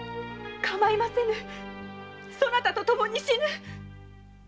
かまいませぬそなたと共に死ぬ